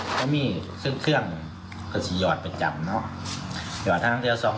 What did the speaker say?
ก็คือพูดง่ายนะแบบผมว่าน่ะมัน